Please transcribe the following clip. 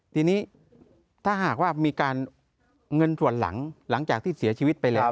ทีนี้ถ้าหากว่ามีการเงินส่วนหลังหลังจากที่เสียชีวิตไปแล้ว